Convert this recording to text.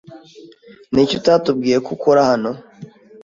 Niki utatubwiye ko ukora hano?